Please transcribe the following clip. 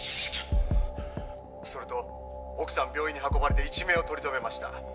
それと奥さん病院に運ばれて一命を取り留めました